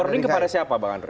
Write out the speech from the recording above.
warning kepada siapa pak andre